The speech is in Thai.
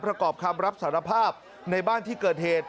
ประกอบคำรับสารภาพในบ้านที่เกิดเหตุ